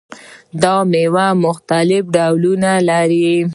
دا میوه مختلف ډولونه لري.